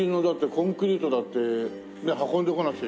コンクリートだって運んでこなくちゃ。